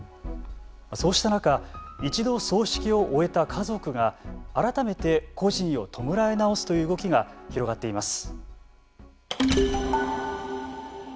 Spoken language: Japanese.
そうした中一度葬式を終えた家族が改めて故人を弔い直すという動きが広がっています。